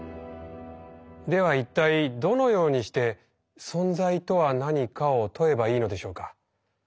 では一体どのようにして「存在とは何か」を問えばいいのでしょうか？